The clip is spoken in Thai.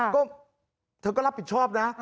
ก็เธอก็รับผิดชอบนะ